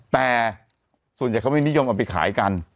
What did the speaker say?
แต่ส่วนใหญ่เขาไม่นิยมเอาไปขายกัน